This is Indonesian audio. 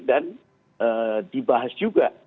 dan dibahas juga